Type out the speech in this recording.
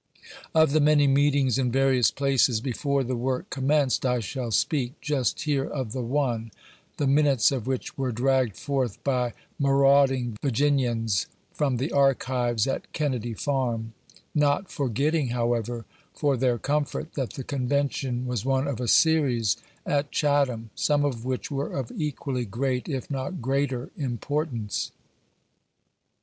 Of the many meetings in various places, before the work commenced, I shall speak just here of the one, the minutes of which were dragged forth by ma rauding Virginians from the "archives" at Kennedy Farm ; not forgetting, however, for their comfort, that the Convention JOHN BROWN'S FIRST VISIT TO CHATHAM. 9 was one of a series at Chatham, some of which were of equally great, if not greater, importance.